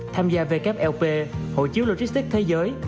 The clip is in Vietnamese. tham gia wlp hộ chiếu logistics thế giới